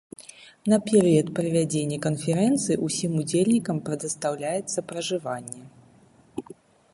На перыяд правядзення канферэнцыі усім удзельнікам прадастаўляецца пражыванне.